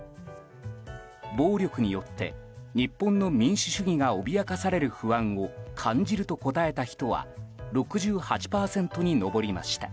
暴力によって日本の民主主義が脅かされる不安を感じると答えた人は６８％に上りました。